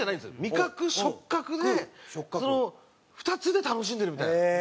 味覚触覚でその２つで楽しんでるみたいな。